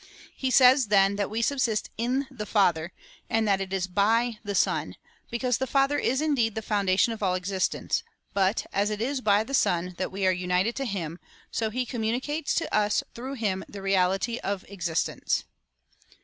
He says, then, that we subsist in the Father, and that it is hy the Son, because the Father is indeed the foundation of all existence ; but, as it is by the Son that we are united to him, so he communicates to us through him the reality of existence.